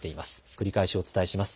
繰り返しお伝えします。